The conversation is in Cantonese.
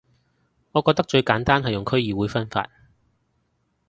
我覺得最簡單係用區議會分法